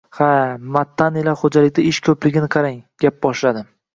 Ha-a, Mattanilar xo`jaligida ish ko`pligini qarang, gap boshladim